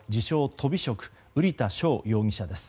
とび職瓜田翔容疑者です。